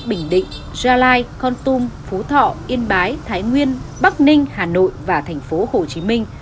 bình định gia lai con tum phú thọ yên bái thái nguyên bắc ninh hà nội và thành phố hồ chí minh